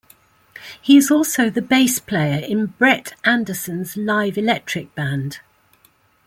He is also the bass player in Brett Anderson's live electric band.